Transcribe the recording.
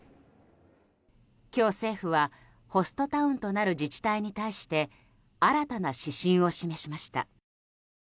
今日、政府はホストタウンとなる自治体に対して新たな指針を示しました。